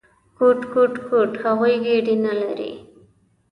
_کوټ، کوټ، کوټ… هغوی ګېډې نه لري!